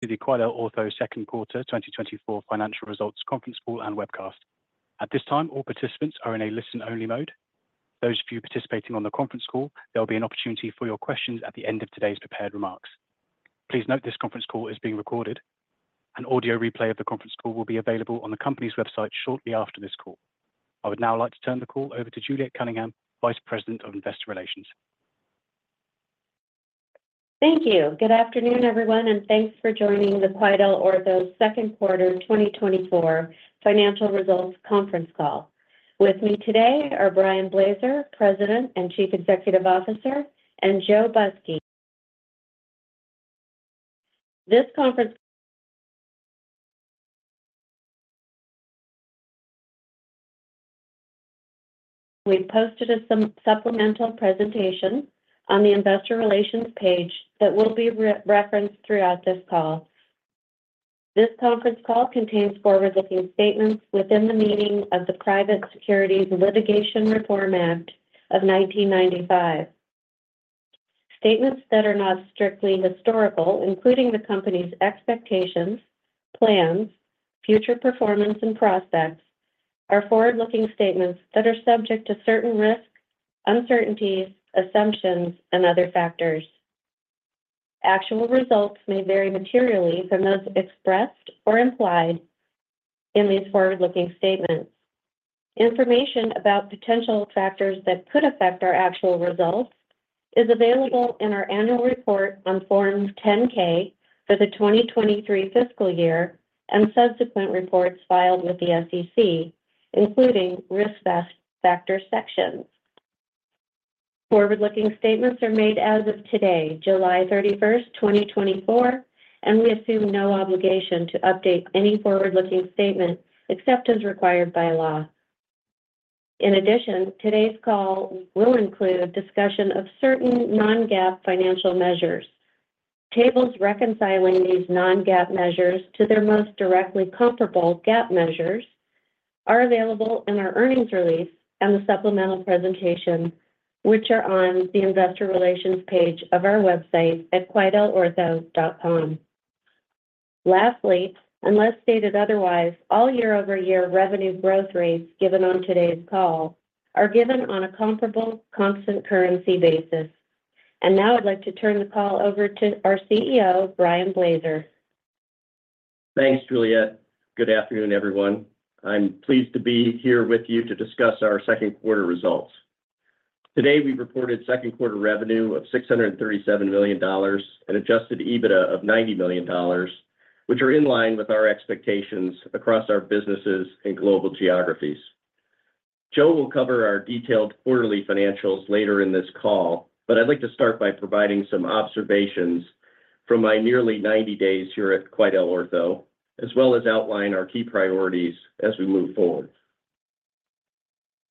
The QuidelOrtho Second Quarter 2024 Financial Results Conference Call and Webcast. At this time, all participants are in a listen-only mode. Those of you participating on the conference call, there will be an opportunity for your questions at the end of today's prepared remarks. Please note this conference call is being recorded. An audio replay of the conference call will be available on the company's website shortly after this call. I would now like to turn the call over to Juliet Cunningham, Vice President of Investor Relations. Thank you. Good afternoon, everyone, and thanks for joining the QuidelOrtho Second Quarter 2024 Financial Results conference call. With me today are Brian Blaser, President and Chief Executive Officer, and Joe Busky. We've posted a supplemental presentation on the investor relations page that will be referenced throughout this call. This conference call contains forward-looking statements within the meaning of the Private Securities Litigation Reform Act of 1995. Statements that are not strictly historical, including the company's expectations, plans, future performance, and prospects, are forward-looking statements that are subject to certain risks, uncertainties, assumptions, and other factors. Actual results may vary materially from those expressed or implied in these forward-looking statements. Information about potential factors that could affect our actual results is available in our annual report on Form 10-K for the 2023 fiscal year and subsequent reports filed with the SEC, including Risk Factor sections. Forward-looking statements are made as of today, July 31, 2024, and we assume no obligation to update any forward-looking statements except as required by law. In addition, today's call will include a discussion of certain non-GAAP financial measures. Tables reconciling these non-GAAP measures to their most directly comparable GAAP measures are available in our earnings release and the supplemental presentation, which are on the investor relations page of our website at quidelortho.com. Lastly, unless stated otherwise, all year-over-year revenue growth rates given on today's call are given on a comparable constant currency basis. Now I'd like to turn the call over to our CEO, Brian Blaser. Thanks, Juliet. Good afternoon, everyone. I'm pleased to be here with you to discuss our second quarter results. Today, we reported second quarter revenue of $637,000,000 and Adjusted EBITDA of $90,000,000, which are in line with our expectations across our businesses and global geographies. Joe will cover our detailed quarterly financials later in this call, but I'd like to start by providing some observations from my nearly 90 days here at QuidelOrtho, as well as outline our key priorities as we move forward.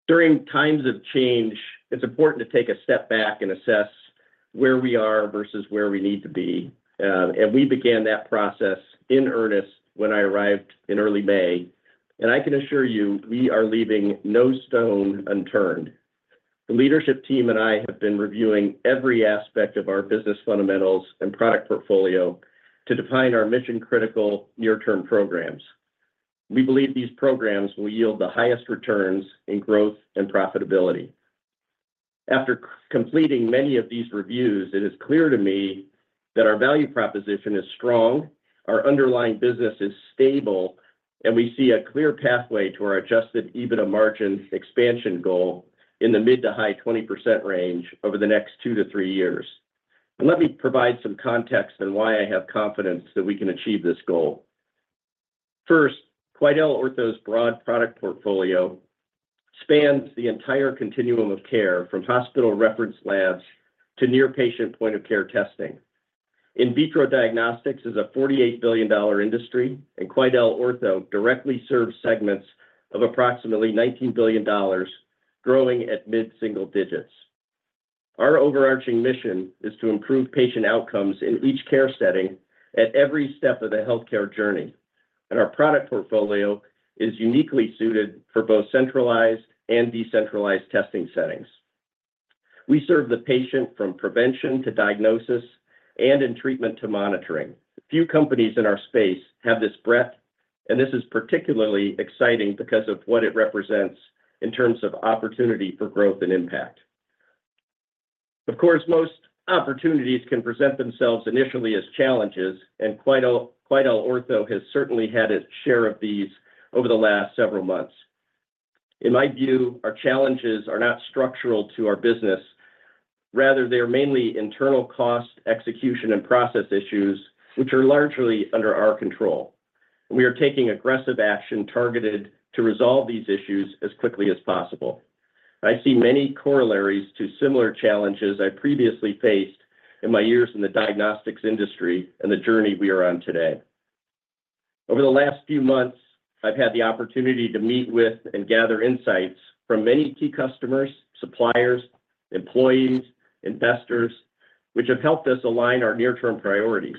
During times of change, it's important to take a step back and assess where we are versus where we need to be. We began that process in earnest when I arrived in early May, and I can assure you, we are leaving no stone unturned. The leadership team and I have been reviewing every aspect of our business fundamentals and product portfolio to define our mission-critical near-term programs. We believe these programs will yield the highest returns in growth and profitability. After completing many of these reviews, it is clear to me that our value proposition is strong, our underlying business is stable, and we see a clear pathway to our Adjusted EBITDA margin expansion goal in the mid- to high-20% range over the next 2 to 3 years. Let me provide some context on why I have confidence that we can achieve this goal. First, QuidelOrtho's broad product portfolio spans the entire continuum of care, from hospital reference labs to near-patient point-of-care testing. In vitro diagnostics is a $48,000,000,000 industry, and QuidelOrtho directly serves segments of approximately $19,000,000,000, growing at mid-single digits. Our overarching mission is to improve patient outcomes in each care setting at every step of the healthcare journey, and our product portfolio is uniquely suited for both centralized and decentralized testing settings. We serve the patient from prevention to diagnosis and in treatment to monitoring. Few companies in our space have this breadth, and this is particularly exciting because of what it represents in terms of opportunity for growth and impact. Of course, most opportunities can present themselves initially as challenges, and QuidelOrtho has certainly had its share of these over the last several months. In my view, our challenges are not structural to our business. Rather, they are mainly internal cost, execution, and process issues, which are largely under our control. We are taking aggressive action targeted to resolve these issues as quickly as possible. I see many corollaries to similar challenges I previously faced in my years in the diagnostics industry and the journey we are on today. Over the last few months, I've had the opportunity to meet with and gather insights from many key customers, suppliers, employees, investors, which have helped us align our near-term priorities.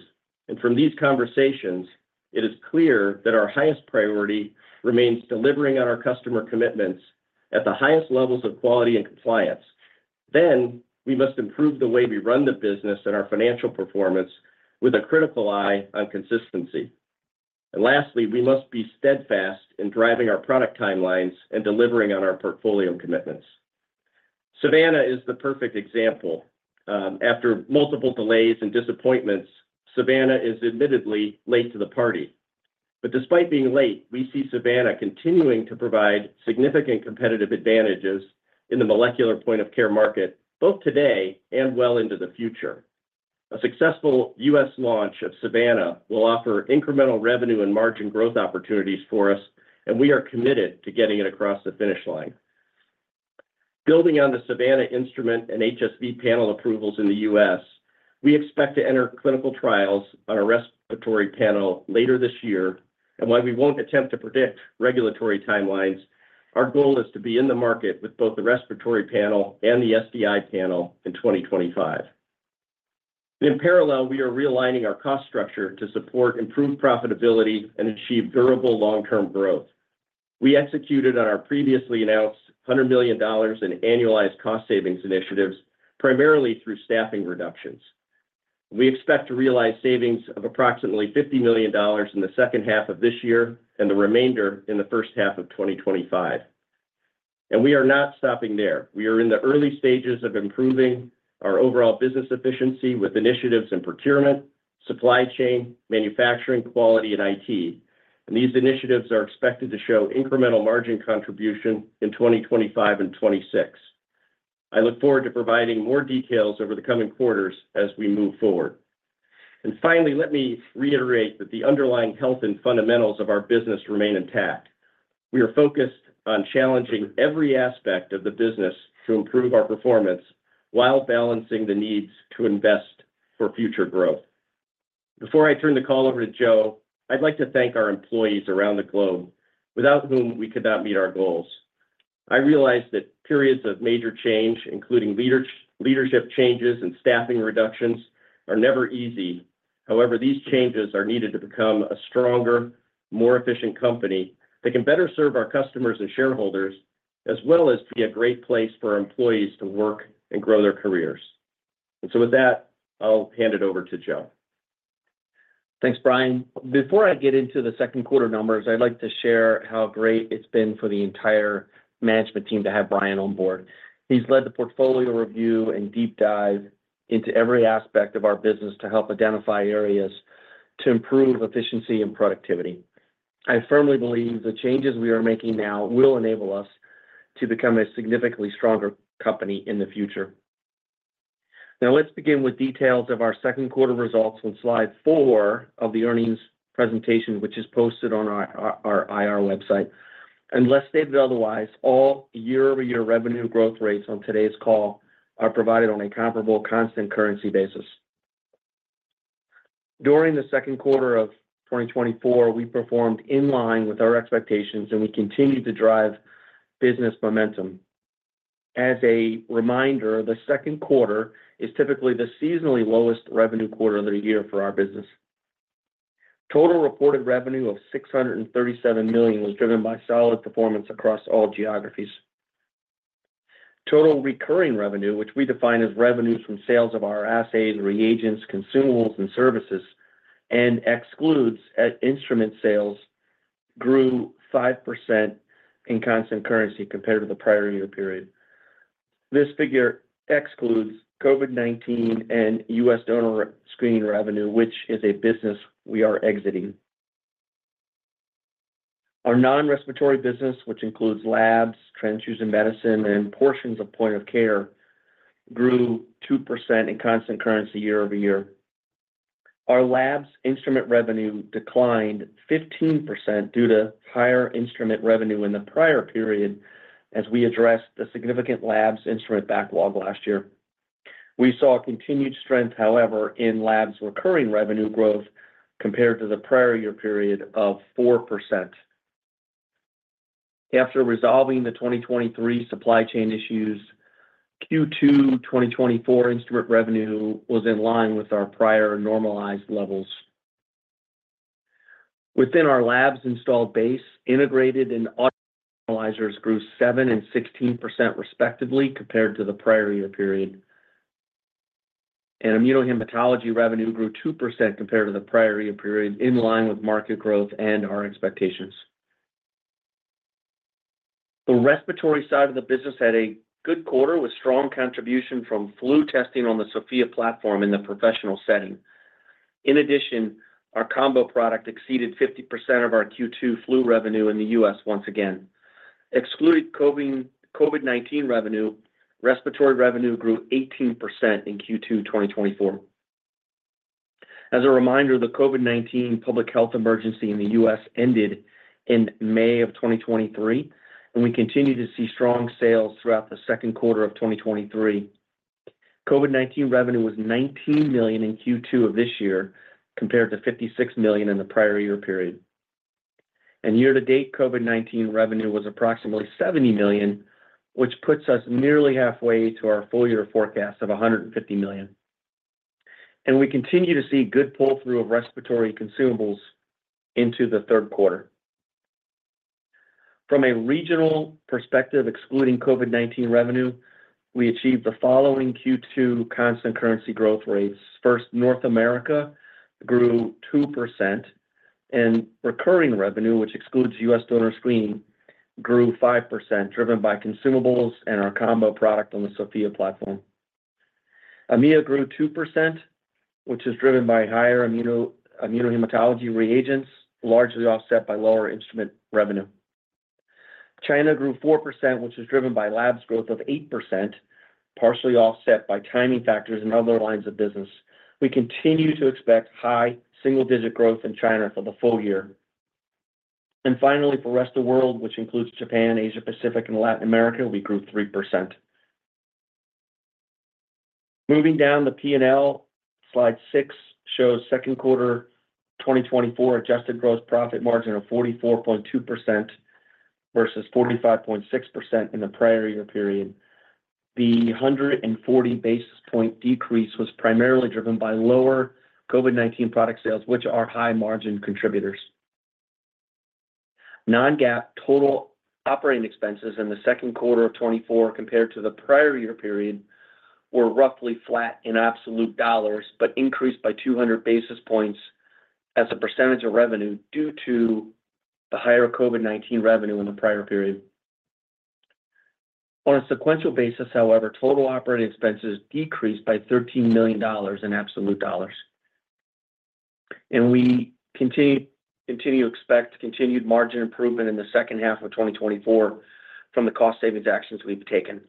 From these conversations, it is clear that our highest priority remains delivering on our customer commitments at the highest levels of quality and compliance.... We must improve the way we run the business and our financial performance with a critical eye on consistency. Lastly, we must be steadfast in driving our product timelines and delivering on our portfolio commitments. Savanna is the perfect example. After multiple delays and disappointments, Savanna is admittedly late to the party. But despite being late, we see Savanna continuing to provide significant competitive advantages in the molecular point-of-care market, both today and well into the future. A successful U.S. launch of Savanna will offer incremental revenue and margin growth opportunities for us, and we are committed to getting it across the finish line. Building on the Savanna instrument and HSV panel approvals in the U.S., we expect to enter clinical trials on a respiratory panel later this year. And while we won't attempt to predict regulatory timelines, our goal is to be in the market with both the respiratory panel and the STI panel in 2025. In parallel, we are realigning our cost structure to support improved profitability and achieve durable long-term growth. We executed on our previously announced $100,000,000 in annualized cost savings initiatives, primarily through staffing reductions. We expect to realize savings of approximately $50,000,000 in the second half of this year and the remainder in the first half of 2025. We are not stopping there. We are in the early stages of improving our overall business efficiency with initiatives in procurement, supply chain, manufacturing, quality, and IT. These initiatives are expected to show incremental margin contribution in 2025 and 2026. I look forward to providing more details over the coming quarters as we move forward. Finally, let me reiterate that the underlying health and fundamentals of our business remain intact. We are focused on challenging every aspect of the business to improve our performance while balancing the needs to invest for future growth. Before I turn the call over to Joe, I'd like to thank our employees around the globe, without whom we could not meet our goals. I realize that periods of major change, including leadership changes and staffing reductions, are never easy. However, these changes are needed to become a stronger, more efficient company that can better serve our customers and shareholders, as well as be a great place for our employees to work and grow their careers. And so with that, I'll hand it over to Joe. Thanks, Brian. Before I get into the second quarter numbers, I'd like to share how great it's been for the entire management team to have Brian on board. He's led the portfolio review and deep dive into every aspect of our business to help identify areas to improve efficiency and productivity. I firmly believe the changes we are making now will enable us to become a significantly stronger company in the future. Now, let's begin with details of our second quarter results on slide 4 of the earnings presentation, which is posted on our IR website. Unless stated otherwise, all year-over-year revenue growth rates on today's call are provided on a comparable constant currency basis. During the second quarter of 2024, we performed in line with our expectations, and we continued to drive business momentum. As a reminder, the second quarter is typically the seasonally lowest revenue quarter of the year for our business. Total reported revenue of $637,000,000 was driven by solid performance across all geographies. Total recurring revenue, which we define as revenues from sales of our assays, reagents, consumables, and services, and excludes instrument sales, grew 5% in constant currency compared to the prior year period. This figure excludes COVID-19 and U.S. donor screening revenue, which is a business we are exiting. Our non-respiratory business, which includes labs, transfusion medicine, and portions of point of care, grew 2% in constant currency year-over-year. Our labs instrument revenue declined 15% due to higher instrument revenue in the prior period as we addressed the significant labs instrument backlog last year. We saw a continued strength, however, in labs' recurring revenue growth compared to the prior year period of 4%. After resolving the 2023 supply chain issues, Q2 2024 instrument revenue was in line with our prior normalized levels. Within our labs installed base, integrated and analyzers grew 7% and 16% respectively compared to the prior year period. And Immunohematology revenue grew 2% compared to the prior year period, in line with market growth and our expectations. The respiratory side of the business had a good quarter, with strong contribution from flu testing on the Sofia platform in the professional setting. In addition, our combo product exceeded 50% of our Q2 flu revenue in the U.S. once again. Excluding COVID, COVID-19 revenue, respiratory revenue grew 18% in Q2 2024. As a reminder, the COVID-19 public health emergency in the U.S. ended in May of 2023, and we continued to see strong sales throughout the second quarter of 2023. COVID-19 revenue was $19,000,000 in Q2 of this year, compared to $56 million in the prior year period. Year to date, COVID-19 revenue was approximately $70,000,000, which puts us nearly halfway to our full year forecast of $150,000,000. We continue to see good pull-through of respiratory consumables into the third quarter.... From a regional perspective, excluding COVID-19 revenue, we achieved the following Q2 constant currency growth rates. First, North America grew 2%, and recurring revenue, which excludes U.S. donor screening, grew 5%, driven by consumables and our combo product on the Sofia platform. EMEA grew 2%, which is driven by higher immuno, immunohematology reagents, largely offset by lower instrument revenue. China grew 4%, which is driven by labs growth of 8%, partially offset by timing factors and other lines of business. We continue to expect high single-digit growth in China for the full year. And finally, for rest of world, which includes Japan, Asia Pacific, and Latin America, we grew 3%. Moving down the P&L, slide 6 shows second quarter 2024 adjusted gross profit margin of 44.2% versus 45.6% in the prior year period. The hundred and forty basis point decrease was primarily driven by lower COVID-19 product sales, which are high margin contributors. Non-GAAP total operating expenses in the second quarter of 2024 compared to the prior year period were roughly flat in absolute dollars, but increased by 200 basis points as a percentage of revenue due to the higher COVID-19 revenue in the prior period. On a sequential basis, however, total operating expenses decreased by $13,000,000 in absolute dollars. We continue to expect continued margin improvement in the second half of 2024 from the cost savings actions we've taken.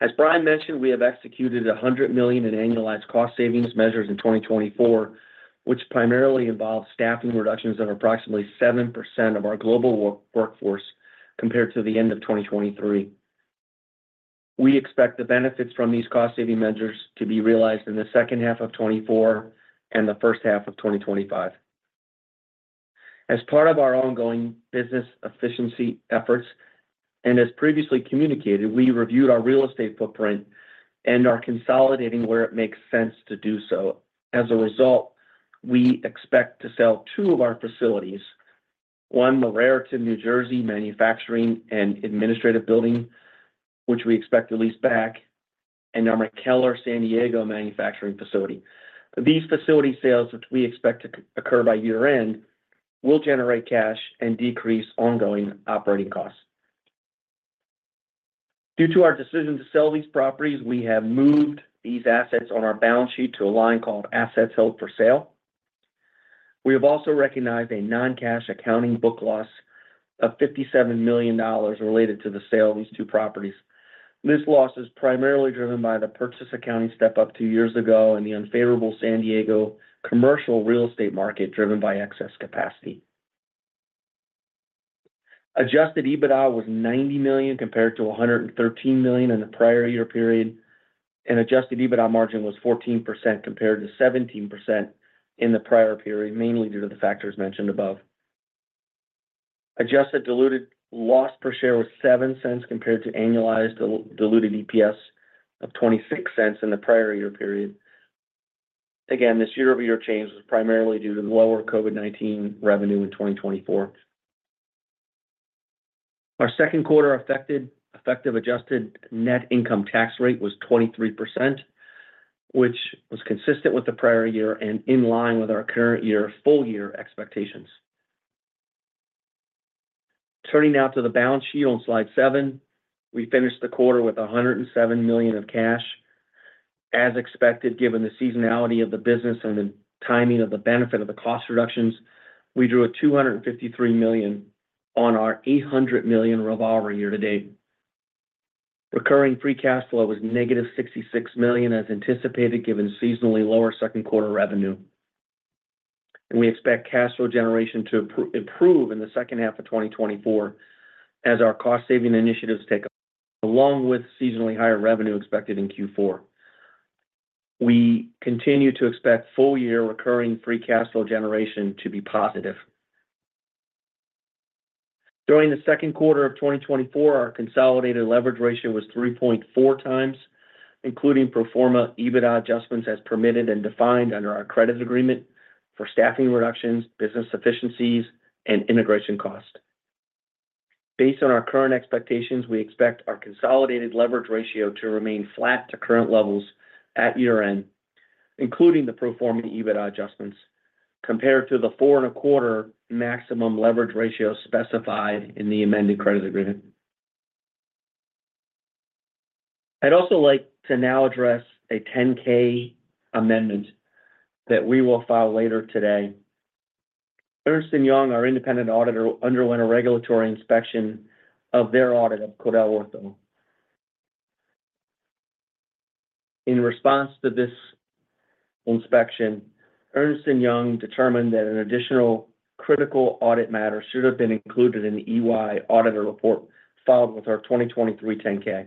As Brian mentioned, we have executed $100 million in annualized cost savings measures in 2024, which primarily involves staffing reductions of approximately 7% of our global workforce compared to the end of 2023. We expect the benefits from these cost-saving measures to be realized in the second half of 2024 and the first half of 2025. As part of our ongoing business efficiency efforts, and as previously communicated, we reviewed our real estate footprint and are consolidating where it makes sense to do so. As a result, we expect to sell 2 of our facilities, one, Morristown, New Jersey, manufacturing and administrative building, which we expect to lease back, and our McKellar, San Diego, manufacturing facility. These facility sales, which we expect to occur by year-end, will generate cash and decrease ongoing operating costs. Due to our decision to sell these properties, we have moved these assets on our balance sheet to a line called assets held for sale. We have also recognized a non-cash accounting book loss of $57,000,000 related to the sale of these two properties. This loss is primarily driven by the purchase accounting step-up two years ago and the unfavorable San Diego commercial real estate market, driven by excess capacity. Adjusted EBITDA was $90,000,000, compared to $113,000,000 in the prior year period, and adjusted EBITDA margin was 14%, compared to 17% in the prior period, mainly due to the factors mentioned above. Adjusted diluted loss per share was $0.07, compared to annualized diluted EPS of $0.26 in the prior year period. Again, this year-over-year change was primarily due to the lower COVID-19 revenue in 2024. Our second quarter effective adjusted net income tax rate was 23%, which was consistent with the prior year and in line with our current year full year expectations. Turning now to the balance sheet on slide 7, we finished the quarter with $107,000,000 of cash. As expected, given the seasonality of the business and the timing of the benefit of the cost reductions, we drew $253,000,000 on our $800,000,000 revolver year to date. Recurring free cash flow was negative $66,000,000, as anticipated, given seasonally lower second quarter revenue. We expect cash flow generation to improve in the second half of 2024 as our cost-saving initiatives take, along with seasonally higher revenue expected in Q4. We continue to expect full year recurring free cash flow generation to be positive. During the second quarter of 2024, our consolidated leverage ratio was 3.4 times, including pro forma EBITDA adjustments as permitted and defined under our credit agreement for staffing reductions, business efficiencies, and integration costs. Based on our current expectations, we expect our consolidated leverage ratio to remain flat to current levels at year-end, including the pro forma EBITDA adjustments, compared to the 4.25 maximum leverage ratio specified in the amended credit agreement. I'd also like to now address a 10-K amendment that we will file later today. Ernst & Young, our independent auditor, underwent a regulatory inspection of their audit of QuidelOrtho. In response to this inspection, Ernst & Young determined that an additional critical audit matter should have been included in the EY auditor report filed with our 2023 10-K.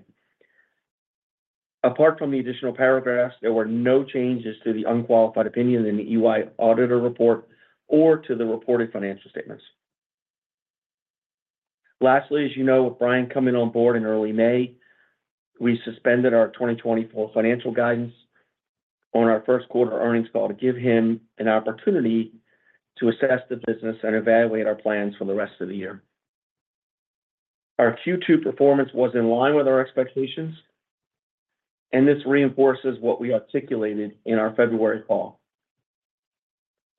Apart from the additional paragraphs, there were no changes to the unqualified opinion in the EY auditor report or to the reported financial statements. Lastly, as you know, with Brian coming on board in early May, we suspended our 2024 financial guidance. On our first quarter earnings call to give him an opportunity to assess the business and evaluate our plans for the rest of the year. Our Q2 performance was in line with our expectations, and this reinforces what we articulated in our February call.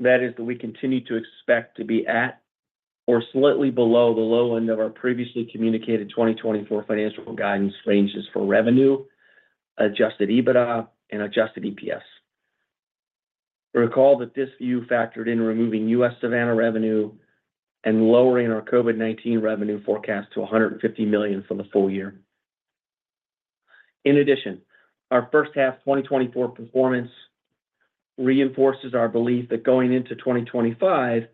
That is, that we continue to expect to be at or slightly below the low end of our previously communicated 2024 financial guidance ranges for revenue, Adjusted EBITDA, and adjusted EPS. Recall that this view factored in removing U.S. Savanna revenue and lowering our COVID-19 revenue forecast to $150,000,000 for the full year. In addition, our first half 2024 performance reinforces our belief that going into 2025,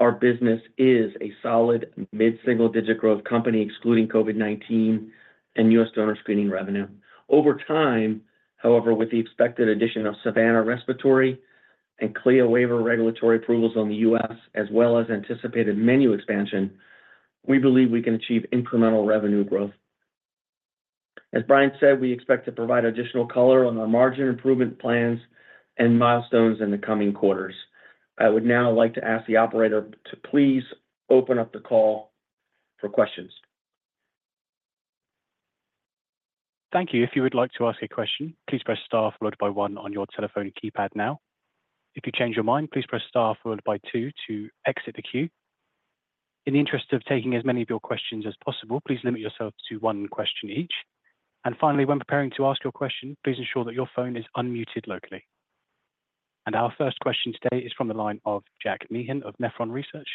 our business is a solid mid-single-digit growth company, excluding COVID-19 and U.S. donor screening revenue. Over time, however, with the expected addition of Savanna respiratory and CLIA waiver regulatory approvals on the U.S., as well as anticipated menu expansion, we believe we can achieve incremental revenue growth. As Brian said, we expect to provide additional color on our margin improvement plans and milestones in the coming quarters. I would now like to ask the operator to please open up the call for questions. Thank you. If you would like to ask a question, please press star followed by one on your telephone keypad now. If you change your mind, please press star followed by two to exit the queue. In the interest of taking as many of your questions as possible, please limit yourself to one question each. And finally, when preparing to ask your question, please ensure that your phone is unmuted locally. And our first question today is from the line of Jack Meehan of Nephron Research.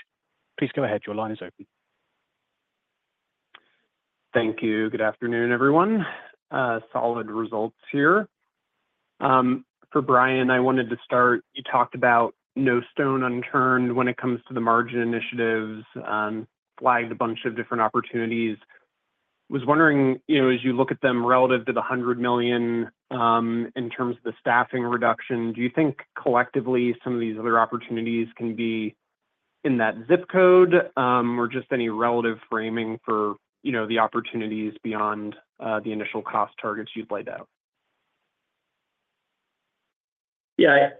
Please go ahead. Your line is open. Thank you. Good afternoon, everyone. Solid results here. For Brian, I wanted to start, you talked about no stone unturned when it comes to the margin initiatives, flagged a bunch of different opportunities. Was wondering, you know, as you look at them relative to the $100,000,000, in terms of the staffing reduction, do you think collectively some of these other opportunities can be in that zip code? Or just any relative framing for, you know, the opportunities beyond the initial cost targets you've laid out. Yeah.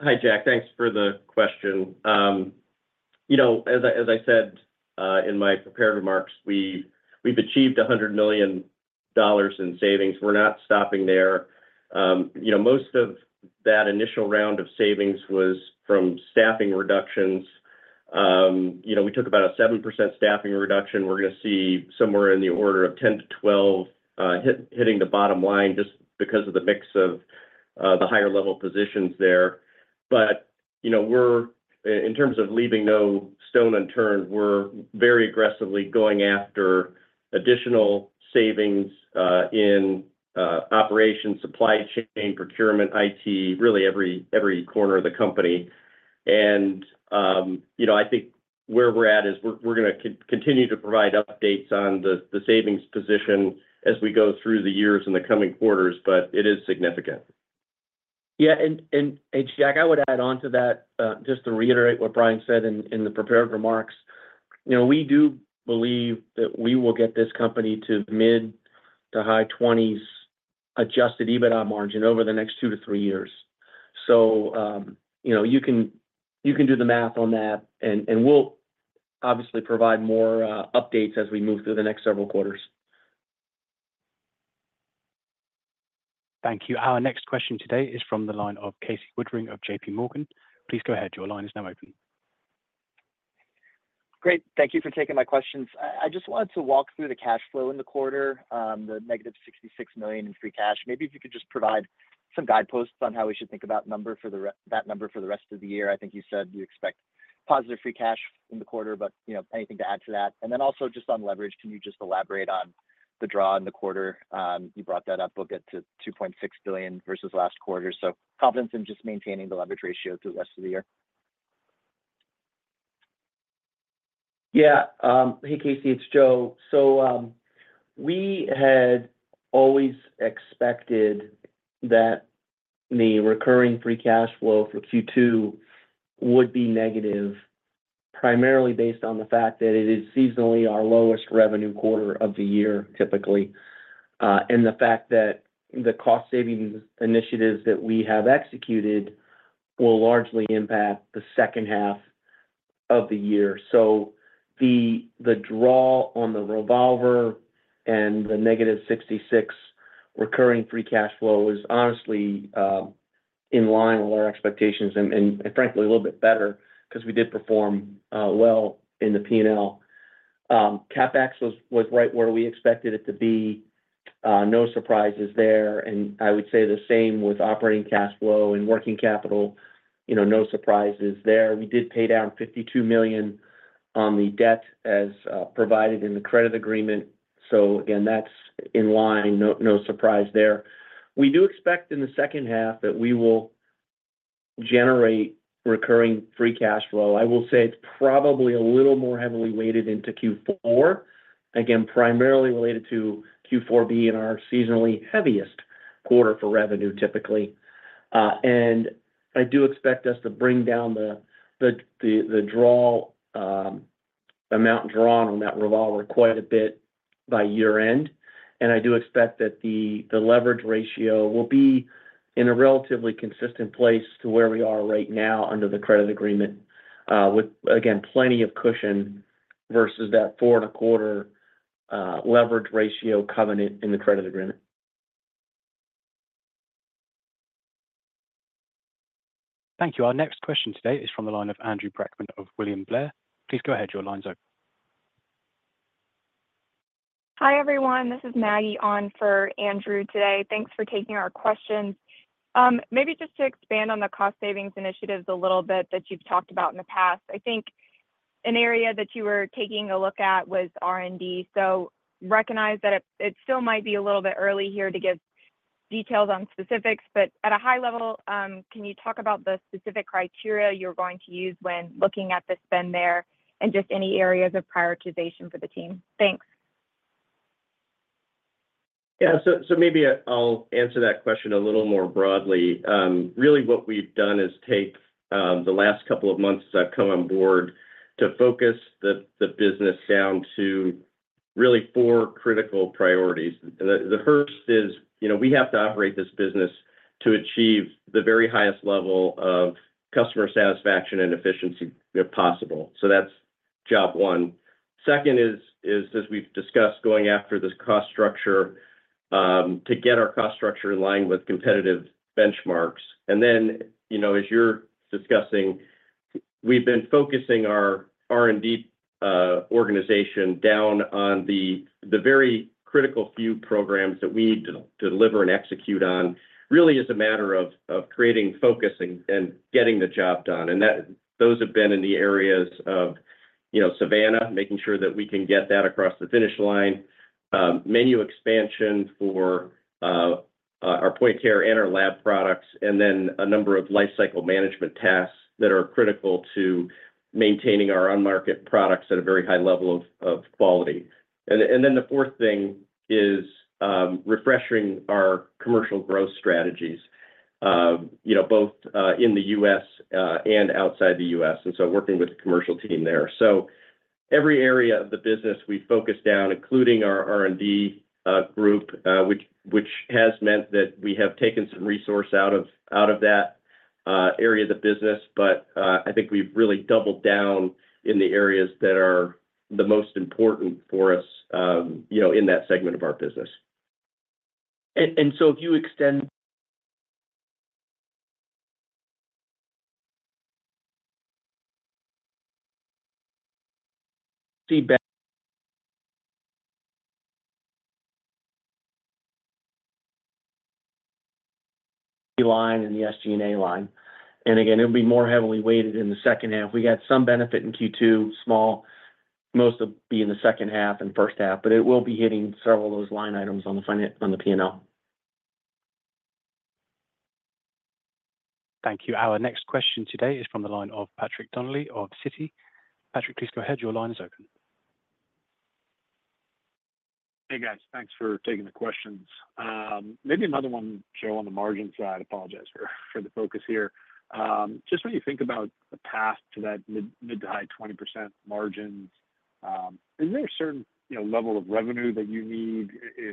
Hi, Jack. Thanks for the question. You know, as I, as I said, in my prepared remarks, we've, we've achieved $100,000,000 in savings. We're not stopping there. You know, most of that initial round of savings was from staffing reductions. You know, we took about a 7% staffing reduction. We're going to see somewhere in the order of 10-12 hitting the bottom line, just because of the mix of the higher-level positions there. But, you know, we're in terms of leaving no stone unturned, we're very aggressively going after additional savings in operations, supply chain, procurement, IT, really every corner of the company. You know, I think where we're at is we're going to continue to provide updates on the savings position as we go through the years in the coming quarters, but it is significant. Yeah, Jack, I would add on to that, just to reiterate what Brian said in the prepared remarks. You know, we do believe that we will get this company to mid- to high-20s adjusted EBITDA margin over the next 2 to 3 years. So, you know, you can do the math on that, and we'll obviously provide more updates as we move through the next several quarters. Thank you. Our next question today is from the line of Casey Woodring of J.P. Morgan. Please go ahead. Your line is now open. Great. Thank you for taking my questions. I just wanted to walk through the cash flow in the quarter, the negative $66,000,000 in free cash. Maybe if you could just provide some guideposts on how we should think about that number for the rest of the year. I think you said you expect positive free cash in the quarter, but, you know, anything to add to that? And then also just on leverage, can you just elaborate on the draw in the quarter? You brought that up. We'll get to $2,600,000,000 versus last quarter. So confidence in just maintaining the leverage ratio through the rest of the year. Yeah. Hey, Casey, it's Joe. So, we had always expected that the recurring free cash flow for Q2 would be negative, primarily based on the fact that it is seasonally our lowest revenue quarter of the year, typically. And the fact that the cost savings initiatives that we have executed will largely impact the second half of the year. So the draw on the revolver and the -$66,000,000 recurring free cash flow is honestly in line with our expectations and frankly, a little bit better because we did perform well in the P&L. CapEx was right where we expected it to be, no surprises there, and I would say the same with operating cash flow and working capital, you know, no surprises there. We did pay down $52,000,000 on the debt as provided in the credit agreement. So again, that's in line, no, no surprise there. We do expect in the second half that we will generate recurring free cash flow. I will say it's probably a little more heavily weighted into Q4, again, primarily related to Q4 being our seasonally heaviest quarter for revenue, typically. And I do expect us to bring down the draw. ... amount drawn on that revolver quite a bit by year-end. And I do expect that the leverage ratio will be in a relatively consistent place to where we are right now under the credit agreement, with, again, plenty of cushion versus that 4.25 leverage ratio covenant in the credit agreement. Thank you. Our next question today is from the line of Andrew Brackmann of William Blair. Please go ahead, your line's open. Hi, everyone. This is Maggie on for Andrew today. Thanks for taking our questions. Maybe just to expand on the cost savings initiatives a little bit that you've talked about in the past. I think an area that you were taking a look at was R&D. So recognize that it, it still might be a little bit early here to give details on specifics, but at a high level, can you talk about the specific criteria you're going to use when looking at the spend there, and just any areas of prioritization for the team? Thanks. Yeah. So maybe I'll answer that question a little more broadly. Really what we've done is take the last couple of months that I've come on board to focus the business down to really four critical priorities. The first is, you know, we have to operate this business to achieve the very highest level of customer satisfaction and efficiency if possible. So that's job one. Second is, as we've discussed, going after this cost structure to get our cost structure in line with competitive benchmarks. And then, you know, as you're discussing, we've been focusing our R&D organization down on the very critical few programs that we need to deliver and execute on, really as a matter of creating focus and getting the job done. And those have been in the areas of, you know, Savanna, making sure that we can get that across the finish line, menu expansion for our point-of-care and our lab products, and then a number of life cycle management tasks that are critical to maintaining our on-market products at a very high level of quality. And then the fourth thing is refreshing our commercial growth strategies, you know, both in the U.S. and outside the U.S., and so working with the commercial team there. So every area of the business, we focus down, including our R&D group, which has meant that we have taken some resource out of that area of the business. But, I think we've really doubled down in the areas that are the most important for us, you know, in that segment of our business. And so if you extend the line and the SG&A line, and again, it'll be more heavily weighted in the second half. We got some benefit in Q2, small, most of be in the second half and first half, but it will be hitting several of those line items on the finance- on the P&L. Thank you. Our next question today is from the line of Patrick Donnelly of Citi. Patrick, please go ahead. Your line is open. Hey, guys. Thanks for taking the questions. Maybe another one, Joe, on the margin side. Apologize for the focus here. Just when you think about the path to that mid- to high-20% margins, is there a certain, you know, level of revenue that you need,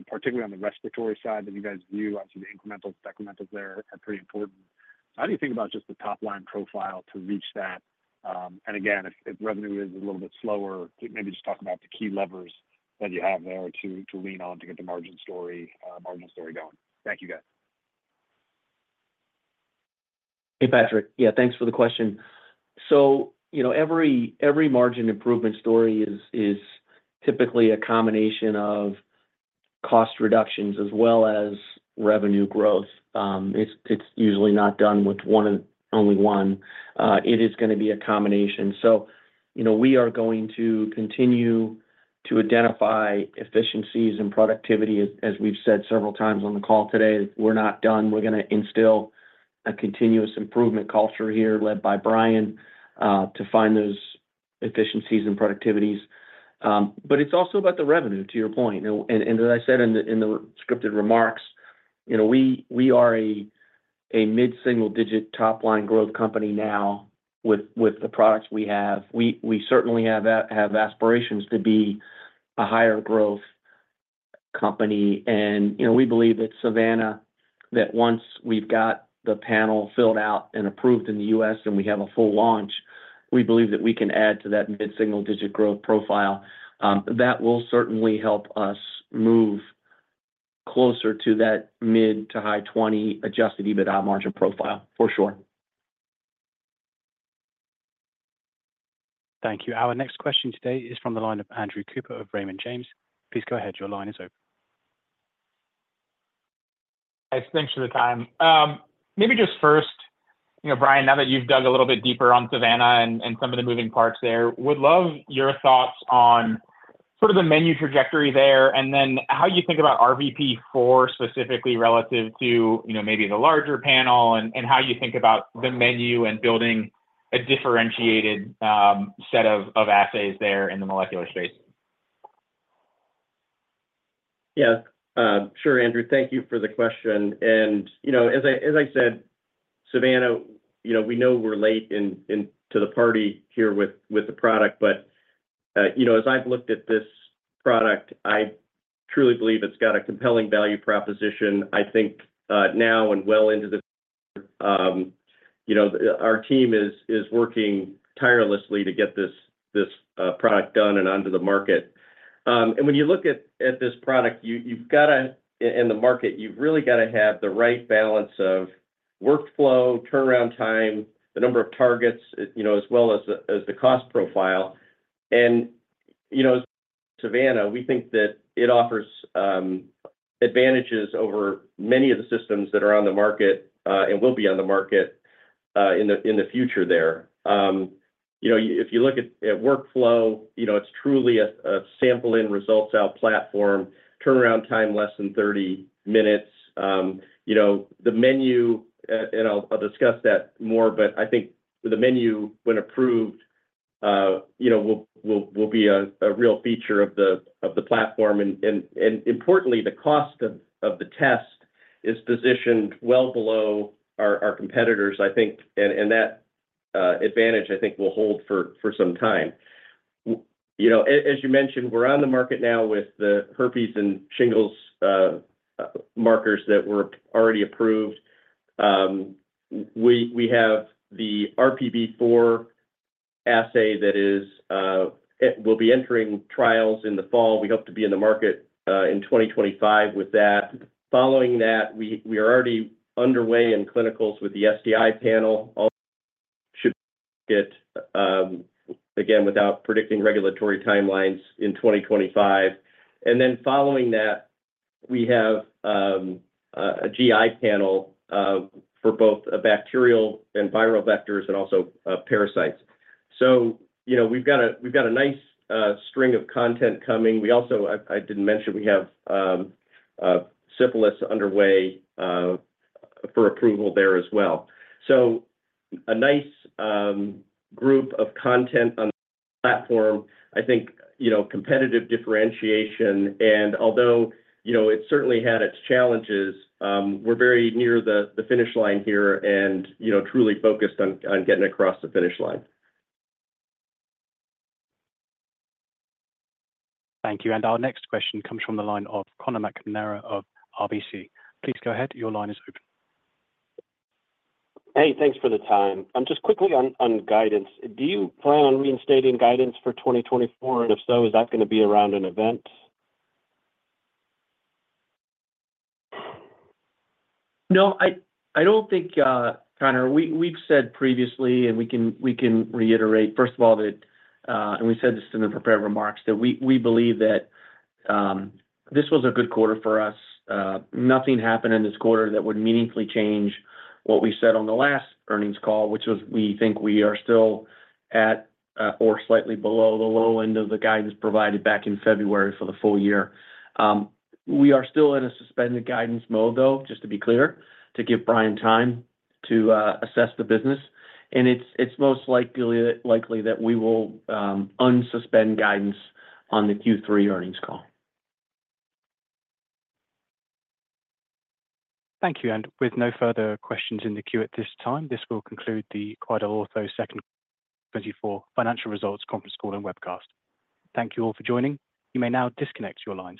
particularly on the respiratory side, that you guys view? Obviously, the incremental, decrementals there are pretty important. How do you think about just the top line profile to reach that? And again, if revenue is a little bit slower, maybe just talk about the key levers that you have there to lean on to get the margin story going. Thank you, guys. Hey, Patrick. Yeah, thanks for the question. So, you know, every margin improvement story is typically a combination of cost reductions as well as revenue growth. It's usually not done with one and only one. It is gonna be a combination. So, you know, we are going to continue to identify efficiencies and productivity. As we've said several times on the call today, we're not done. We're gonna instill a continuous improvement culture here, led by Brian, to find those efficiencies and productivities. But it's also about the revenue, to your point. And, as I said in the scripted remarks, you know, we are a mid-single digit top line growth company now with the products we have. We certainly have aspirations to be a higher growth company, and, you know, we believe that Savanna, that once we've got the panel filled out and approved in the U.S., and we have a full launch, we believe that we can add to that mid-single-digit growth profile. That will certainly help us move closer to that mid- to high-20 Adjusted EBITDA margin profile, for sure. Thank you. Our next question today is from the line of Andrew Cooper of Raymond James. Please go ahead. Your line is open. Thanks for the time. Maybe just first, you know, Brian, now that you've dug a little bit deeper on Savanna and some of the moving parts there, would love your thoughts on sort of the menu trajectory there, and then how you think about RVP4 specifically relative to, you know, maybe the larger panel, and how you think about the menu and building a differentiated set of assays there in the molecular space?... Yeah, sure, Andrew, thank you for the question. And, you know, as I said, Savanna, you know, we know we're late into the party here with the product, but, you know, as I've looked at this product, I truly believe it's got a compelling value proposition. I think, now and well into the, you know, our team is working tirelessly to get this product done and onto the market. And when you look at this product, you've got to... In the market, you've really got to have the right balance of workflow, turnaround time, the number of targets, you know, as well as the cost profile. And, you know, Savanna, we think that it offers advantages over many of the systems that are on the market, and will be on the market, in the future there. You know, if you look at workflow, you know, it's truly a sample in, results out platform, turnaround time, less than 30 minutes. You know, the menu, and I'll discuss that more, but I think the menu, when approved, you know, will be a real feature of the platform. And importantly, the cost of the test is positioned well below our competitors. I think, and that advantage, I think, will hold for some time. You know, as you mentioned, we're on the market now with the herpes and shingles markers that were already approved. We have the RVP4 assay that is, it will be entering trials in the fall. We hope to be in the market in 2025 with that. Following that, we are already underway in clinicals with the STI panel, should get, again, without predicting regulatory timelines in 2025. And then following that, we have a GI panel for both a bacterial and viral vectors and also parasites. So, you know, we've got a, we've got a nice string of content coming. We also—I didn't mention, we have syphilis underway for approval there as well. So a nice group of content on the platform, I think, you know, competitive differentiation. And although, you know, it certainly had its challenges, we're very near the finish line here and, you know, truly focused on getting across the finish line. Thank you. Our next question comes from the line of Conor McNamara of RBC. Please go ahead. Your line is open. Hey, thanks for the time. Just quickly on guidance, do you plan on reinstating guidance for 2024? And if so, is that going to be around an event? No, I don't think, Conor, we've said previously, and we can reiterate, first of all, that - and we said this in the prepared remarks, that we believe that this was a good quarter for us. Nothing happened in this quarter that would meaningfully change what we said on the last earnings call, which was we think we are still at or slightly below the low end of the guidance provided back in February for the full year. We are still in a suspended guidance mode, though, just to be clear, to give Brian time to assess the business. And it's most likely that we will unsuspend guidance on the Q3 earnings call. Thank you. With no further questions in the queue at this time, this will conclude the QuidelOrtho second quarter 2024 Financial Results Conference Call and Webcast. Thank you all for joining. You may now disconnect your lines.